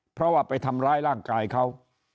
เพราะว่าไปทำร้ายร่างกายเขา